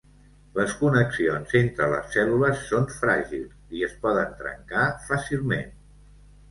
Les connexions entre les cèl·lules són fràgils i es poden trencar fàcilment.